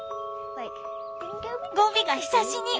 ゴビがひさしに！